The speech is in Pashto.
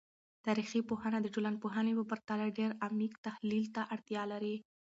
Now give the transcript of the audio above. تاریخي پوهنه د ټولنپوهنې په پرتله ډیر عمیق تحلیل ته اړتیا لري.